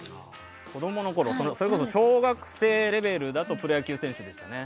子供のころ、それこそ小学生レベルだとプロ野球選手でしたね。